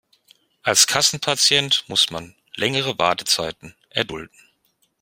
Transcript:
Als Kassenpatient muss man längere Wartezeiten erdulden.